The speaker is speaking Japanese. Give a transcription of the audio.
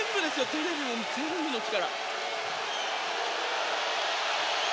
テレビも全部の力。